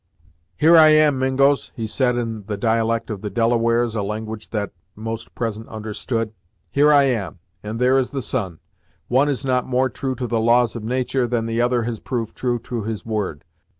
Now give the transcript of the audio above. "Here I am, Mingos," he said, in the dialect of the Delawares, a language that most present understood; "here I am, and there is the sun. One is not more true to the laws of natur', than the other has proved true to his word.